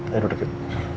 ayo duduk yuk